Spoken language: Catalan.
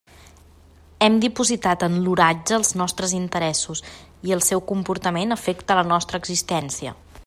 Hem dipositat en l'oratge els nostres interessos i el seu comportament afecta la nostra existència.